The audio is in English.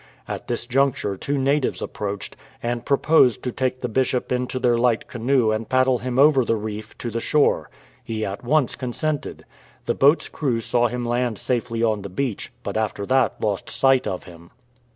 At this juncture two natives approached, and proposed to take the Bishop into their light canoe and paddle him over the reef to the shore. He at once consented. The boat's crew saw him land safely on the beach, but after that lost sight of him.